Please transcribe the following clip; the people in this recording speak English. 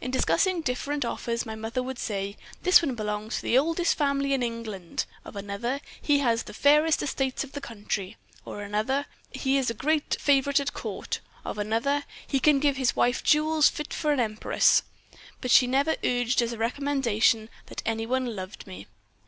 In discussing different offers my mother would say: 'This one belongs to the oldest family in England;' of another, 'He has the fairest estates in the country;' of another, 'He is a great favorite at court;' of another, 'He can give his wife jewels fit for an empress;' but she never urged as a recommendation that any one loved me.